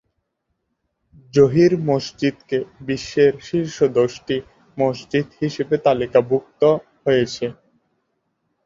জহির মসজিদকে বিশ্বের শীর্ষ দশটি মসজিদ হিসাবে তালিকা ভুক্ত হয়েছে।